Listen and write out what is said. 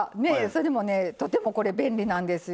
それでもねとてもこれ便利なんですよ。